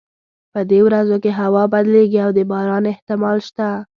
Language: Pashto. په دې ورځو کې هوا بدلیږي او د باران احتمال شته